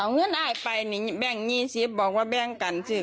แม่งเครื่องแบบนี้มันสืบของประวัตินี้ลูก